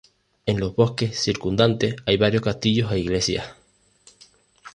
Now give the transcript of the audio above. En los bosques circundantes hay varios castillos e iglesias.